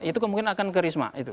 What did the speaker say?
itu kemungkinan akan ke risma